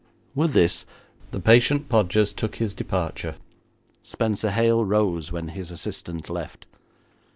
With this the patient Podgers took his departure. Spenser Hale rose when his assistant left.